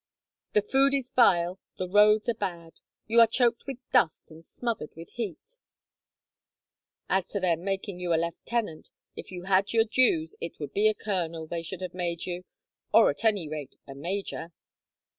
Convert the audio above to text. The food is vile, the roads are bad. You are choked with dust and smothered with heat. "As to their making you lieutenant, if you had your dues, it would be a colonel they should have made you, or at any rate a major."